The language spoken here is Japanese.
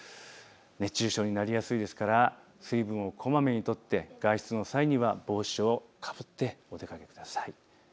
熱中症になりやすいですから水分をこまめにとって外出の際には帽子をかぶってお出かけください。